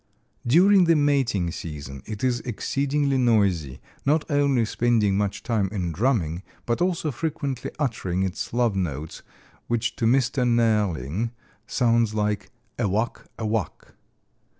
During the mating season it is exceedingly noisy, not only spending much time in drumming, but also frequently uttering its love notes which to Mr. Nehrling sounds like "a wuck, a wuck."